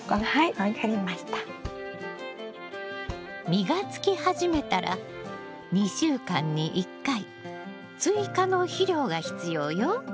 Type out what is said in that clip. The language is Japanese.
実がつき始めたら２週間に１回追加の肥料が必要よ。